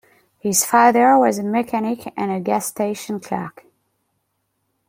His father was a mechanic and a gas station clerk.